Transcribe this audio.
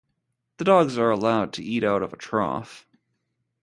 The dogs are allowed to eat out of a trough.